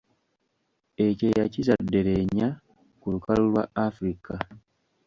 Ekyeya kizadde leenya ku lukalu lwa "Africa".